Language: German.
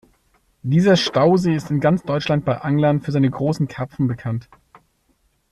Dieser Stausee ist in ganz Deutschland bei Anglern für seine großen Karpfen bekannt.